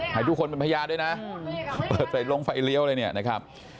ให้ทุกคนเป็นพยายามด้วยนะเปิดไปล้องไฟเลี้ยวเลยนะครับ